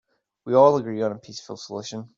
We all agree on a peaceful solution.